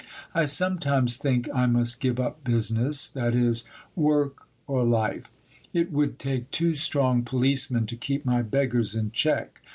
I sometimes think I must give up business, i.e. work, or life. It would take two strong policemen to keep my beggars in check.